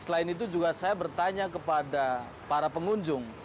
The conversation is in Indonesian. selain itu juga saya bertanya kepada para pengunjung